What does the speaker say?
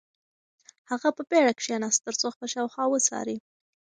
هغه په بېړه کښېناست ترڅو خپل شاوخوا وڅاري.